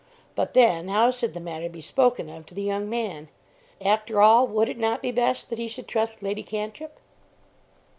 But then how should the matter be spoken of to the young man? After all, would it not be best that he should trust Lady Cantrip?